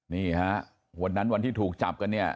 นี่ฮะวันนั้นวันที่ถูกจับกันเนี่ย